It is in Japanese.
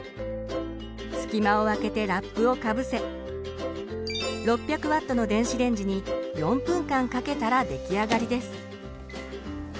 隙間をあけてラップをかぶせ６００Ｗの電子レンジに４分間かけたら出来上がりです。